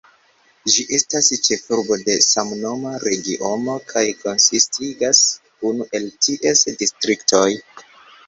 Ĝi estas ĉefurbo de samnoma regiono kaj konsistigas unu el ties distriktoj.